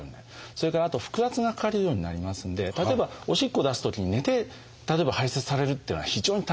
それからあと腹圧がかかるようになりますんで例えばおしっこを出すときに寝て例えば排せつされるっていうのは非常に大変ですね。